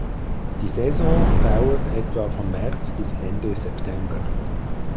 Die Saison dauert etwa von März bis Ende September.